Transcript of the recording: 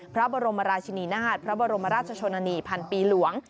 พระบรมราชินีนาฏพระบรมราชชนนานีพันปีหลวง